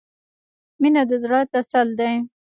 • مینه د زړۀ تسل دی.